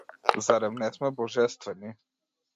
Зарем не сме божествени?